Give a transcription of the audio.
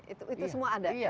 itu semua ada ya